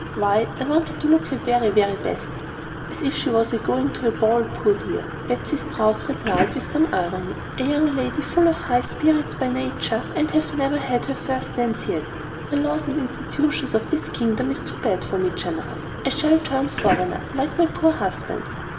Why, I want her to look at her very, very best." "As if she was a going to a ball, poor dear!" Betsy Strouss replied, with some irony. "A young lady full of high spirits by nature, and have never had her first dance yet! The laws and institutions of this kingdom is too bad for me, General. I shall turn foreigner, like my poor husband."